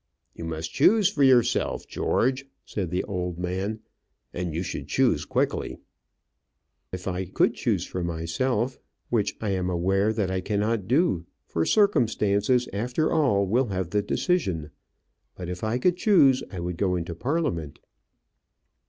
"You must choose for yourself, George," said the old man; "and you should choose quickly." "If I could choose for myself which I am aware that I cannot do; for circumstances, after all, will have the decision but, if I could choose, I would go into Parliament."